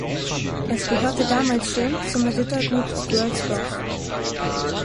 Es gehörte damals schon zum Rittergut Görlsdorf.